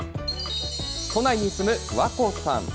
都内に住むわこさん。